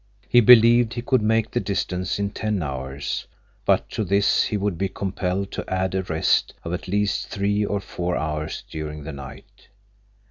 He believed he could make the distance in ten hours, but to this he would be compelled to add a rest of at least three or four hours during the night.